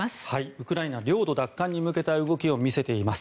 ウクライナ領土奪還に向けた動きを見せています。